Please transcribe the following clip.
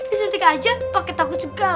ini suntik aja pakai takut segala